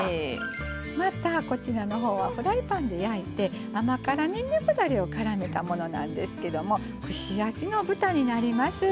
またこちらのほうはフライパンで焼いて甘辛にんにくだれをからめたものなんですけども串焼きの豚になります。